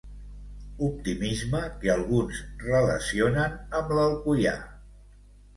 Optimisme que alguns relacionen amb l'Alcoià.